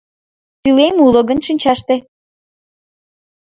Тӱлем уло гын шинчаште